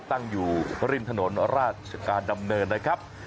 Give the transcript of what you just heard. ตั้งอยู่ริมถนนราชการดำเนินนะครับ